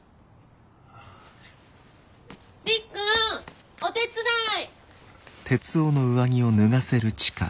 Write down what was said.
りっくんお手伝い！